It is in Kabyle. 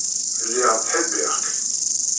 Lliɣ ttḥibbiɣ-k.